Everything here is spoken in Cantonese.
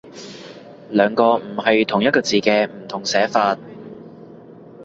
兩個唔係同一個字嘅不同寫法